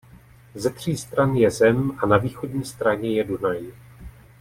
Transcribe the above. Ze tří stran je zem a na východní straně je Dunaj.